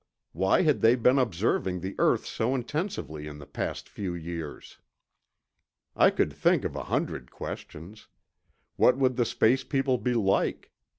Why had they been observing the earth so intensively in the past few years? I could think of a hundred questions. What would the space people be like?